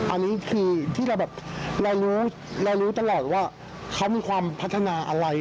อันนี้คือที่เรารู้ตลอดว่าเค้ามีขวามพัฒนาอะไร